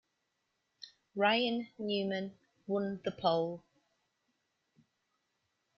Ryan Newman won the pole.